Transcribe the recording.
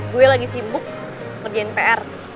gue lagi sibuk ngerjain pr